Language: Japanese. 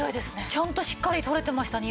ちゃんとしっかり取れてましたにおいが。